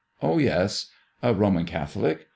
" Oh, yes 1 "" A Roman Catholic